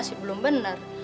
masih belum benar